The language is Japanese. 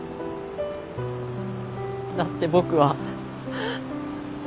だって僕は。